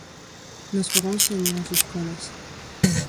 Nos fogóns e nos escolas.